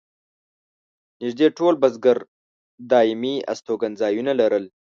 نږدې ټول بزګر دایمي استوګن ځایونه لرل.